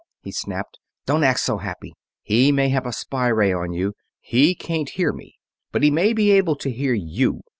he snapped. "Don't act so happy! He may have a spy ray on you. He can't hear me, but he may be able to hear you.